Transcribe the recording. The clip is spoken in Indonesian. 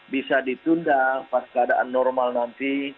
bisa ditunda pas keadaan normal nanti